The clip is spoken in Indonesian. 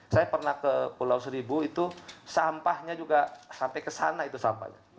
saya pernah ke pulau seribu itu sampahnya juga sampai ke sana itu sampahnya